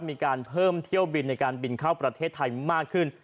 มีการเพิ่มเที่ยวบินในการบินเข้าประเทศไทยมากขึ้น